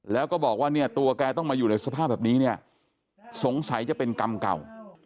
แล้วก็บอกว่าเนี่ยตัวแกต้องมาอยู่ในสภาพแบบนี้เนี่ยสงสัยจะเป็นกรรมเก่า